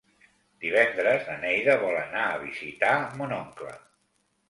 Divendres na Neida vol anar a visitar mon oncle.